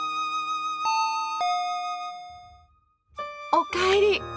おかえり！